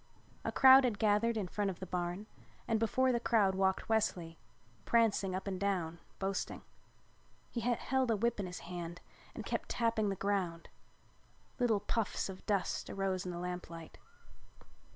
A crowd had gathered in front of the barn and before the crowd walked Wesley, prancing up and down boasting. He held a whip in his hand and kept tapping the ground. Little puffs of dust arose in the lamplight.